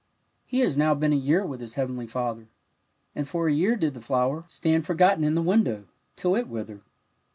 He has now been a year with his heavenly Father, and for a year did the flower 114 THE WILD ROSE stand forgotten in the window, till it withered.